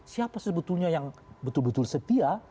siapa sebetulnya yang betul betul setia